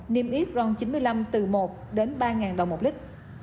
niêm yết ron chín mươi năm từ một đến ba đồng một lít